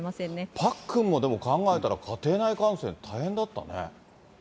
パックンもでも考えたら、家庭内感染、大変だったね。